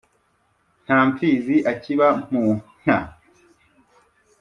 nta mapfizi akiba mu nka,